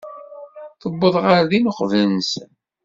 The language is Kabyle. Tuweḍ ɣer din uqbel-nsen.